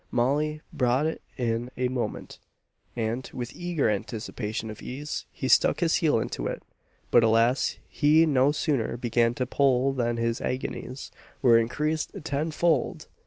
Molly brought it in a moment, and, with eager anticipation of ease, he stuck his heel into it; but, alas! he no sooner began to pull than his agonies were increased tenfold!